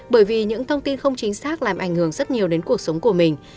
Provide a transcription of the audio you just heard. bởi vì những thông tin không chính xác làm ảnh hưởng rất nhiều đến cuộc sống của mình